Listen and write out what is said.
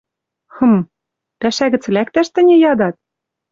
«Хым... Пӓшӓ гӹц лӓктӓш тӹньӹ ядат?